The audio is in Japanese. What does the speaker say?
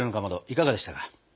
いかがでしたか？